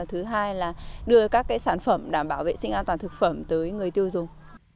thứ hai là đưa các sản phẩm đảm bảo vệ sinh an toàn thực phẩm tới người tiêu dùng